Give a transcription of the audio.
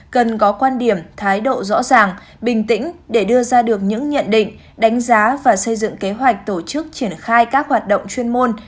cần có quan điểm thái độ rõ ràng bình tĩnh để đưa ra được những nhận định đánh giá và xây dựng kế hoạch tổ chức triển khai các hoạt động chuyên môn